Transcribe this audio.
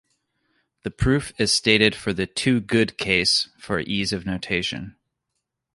The proof is stated for the two-good case for ease of notation.